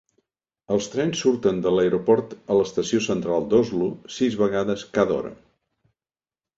Els trens surten de l'aeroport a l'Estació Central d'Oslo sis vegades cada hora.